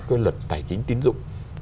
cái luật tài chính tín dụng